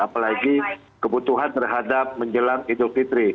apalagi kebutuhan terhadap menjelang idul fitri